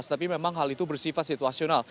tapi memang hal itu bersifat situasional